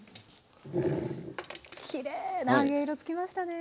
きれいな揚げ色つきましたね。